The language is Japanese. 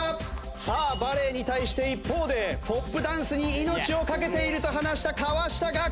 さあバレエに対して一方でポップダンスに命を懸けていると話した河下楽。